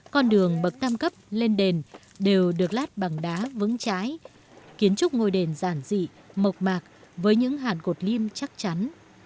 con đường bậc tam cấp lên đền đều được lát bằng đá vững trái kiến trúc ngôi đền giản dị mộc mạc với những hạt cột lim chắc chắn